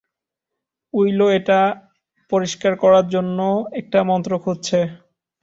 উইলো এটা পরিষ্কার করার জন্য একটা মন্ত্র খুঁজছে।